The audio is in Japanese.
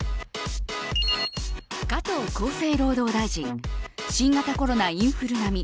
加藤厚生労働大臣新型コロナインフル並み。